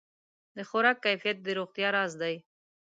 د خوراک کیفیت د روغتیا راز دی.